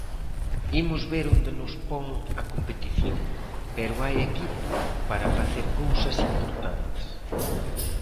Imos ver onde nos pon a competición, pero hai equipo para facer cousas importantes.